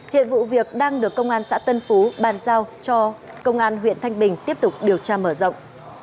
hiện vụ việc đang được công an xã tân phú bàn giao cho công an huyện thanh bình tiếp tục điều tra mở rộng